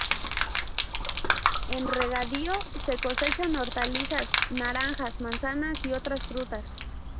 En regadío se cosechan hortalizas, naranjas, manzanas y otras frutas.